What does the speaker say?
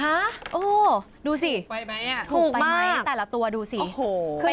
ฮะโอ้โฮดูสิถูกไปไหมแต่ละตัวดูสิโอ้โฮ